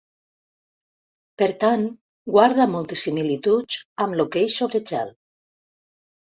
Per tant, guarda moltes similituds amb l'hoquei sobre gel.